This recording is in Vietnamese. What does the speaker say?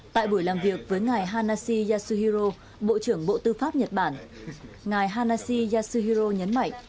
tại buổi làm việc với ngài hanashi yasuhiro bộ trưởng bộ tư pháp nhật bản ngài hanashi yasuhiro nhấn mạnh